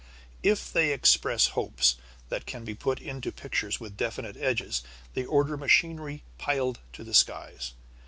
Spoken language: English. If they express hopes that can be put into pictures with definite edges, they order machinery piled to the skies.